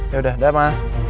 yaudah dah ma